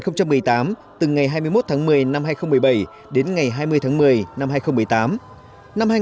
năm hai nghìn một mươi tám từ ngày hai mươi một tháng một mươi năm hai nghìn một mươi bảy đến ngày hai mươi tháng một mươi năm hai nghìn một mươi tám